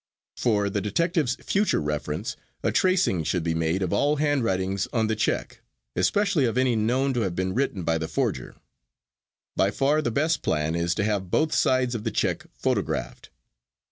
For the detective's future reference a tracing should be made of all handwritings on the check, especially of any known to have been written by the forger. By far the best plan is to have both sides of the check photographed.